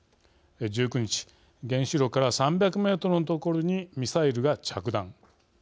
１９日原子炉から３００ｍの所にミサイルが着弾。